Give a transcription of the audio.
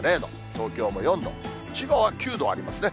東京も４度、千葉は９度ありますね。